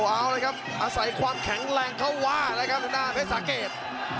อ๋อเอาเลยครับอาศัยความแข็งแรงเข้าว่าเลยครับหน้าเพชรสาเกต